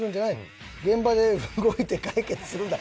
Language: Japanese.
「現場で動いて解決するんだ！」